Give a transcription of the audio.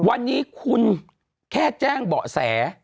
วันนี้คุณแค่แจ้งเบาะแส